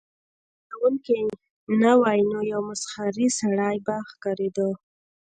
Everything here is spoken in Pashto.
که هغه ویرونکی نه وای نو یو مسخره سړی به ښکاریده